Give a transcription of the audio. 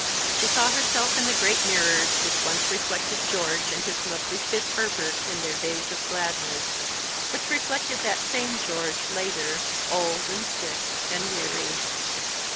She saw herself in the great mirrors which once reflected George and his lovely Fitzherbert in their days of gladness which reflected the same George later, old, and sick, and weary.